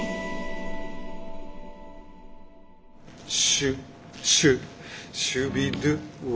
シュシュシュビドゥワ。